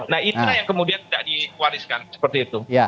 nah itulah yang kemudian tidak diwariskan seperti itu